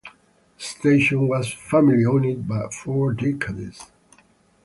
The station was family-owned for decades.